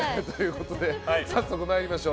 早速参りましょう。